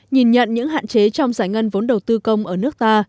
nhìn nhận những hạn chế trong giải ngân vốn đầu tư công ở nước ta